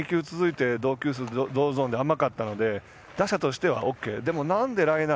２球続いて同ゾーンで甘かったので打者としてはＯＫ。